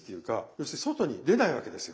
要するに外に出ないわけですよ。